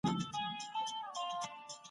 موږ باید د حق په لاره کي په اخلاص ولاړ سو.